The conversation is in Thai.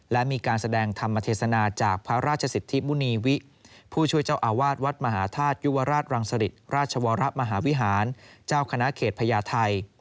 และมีการแสดงธรรมเทศนาจากพระราชสิทธิมุณีวิผู้ช่วยเจ้าอาวาสวัดมหาธาตุยุวราชรังสริตราชวรมหาวิหารเจ้าคณะเขตพญาไทย